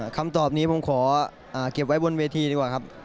คำตอบนี้ผมขอเก็บไว้บนเวทีดีกว่าครับ